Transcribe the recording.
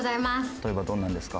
「例えばどんなのですか？」。